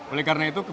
oleh karena itu